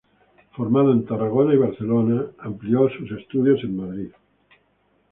Formado en Tarragona y Barcelona, amplió sus estudios en Madrid.